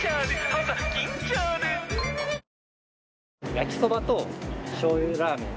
焼きそばとしょう油ラーメン